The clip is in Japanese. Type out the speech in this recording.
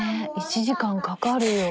１時間かかるよ。